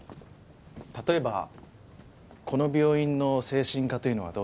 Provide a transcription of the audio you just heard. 例えばこの病院の精神科というのはどうでしょうか？